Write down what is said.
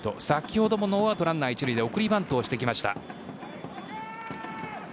先ほどもノーアウトランナー１塁で送りバントをしてきました。